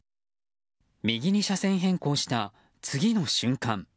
右に車線変更した次の瞬間